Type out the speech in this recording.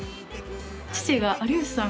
父が「有吉さん